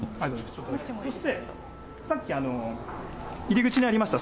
そして、さっき入り口にありました